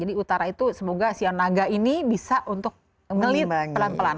jadi utara itu semoga sionaga ini bisa untuk ngelit pelan pelan